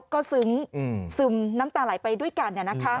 ก็ซึ้งซึมน้ำตาไหลไปด้วยกัน